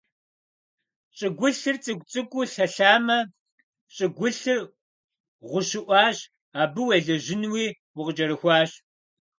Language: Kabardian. ЩӀыгулъыр цӀыкӀу-цӀыкӀуу лъалъэмэ, щӀыгулъыр гъущыӀуащ, абы уелэжьынуи укъыкӀэрыхуащ.